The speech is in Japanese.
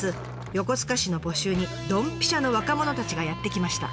横須賀市の募集にドンピシャの若者たちがやって来ました。